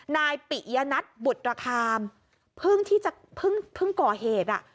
นายปิยนัทบุตรคามเพิ่งที่จะเพิ่งก่อเหตุอ่ะ